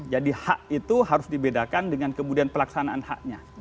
jadi hak itu harus dibedakan dengan kemudian pelaksanaan haknya